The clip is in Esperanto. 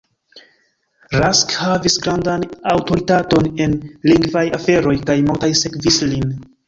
Rask havis grandan aŭtoritaton en lingvaj aferoj, kaj multaj sekvis lin.